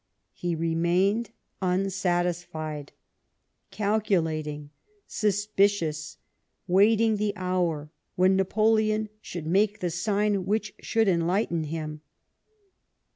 He remained unsatisfied ; calculating ; suspicious ; waiting the hour when Napoleon should make the sign which should enlighten him.